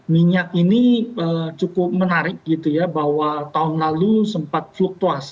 minyak ini cukup menarik gitu ya bahwa tahun lalu sempat fluktuas